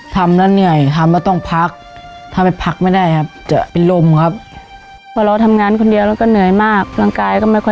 ทำละเหนื่อยทำแล้วต้องพัก